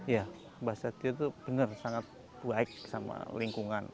ya basa diyu itu benar sangat baik sama lingkungan